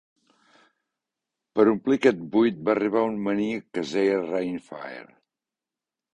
Per omplir aquest buit, va arribar un maníac que es deia Reignfire.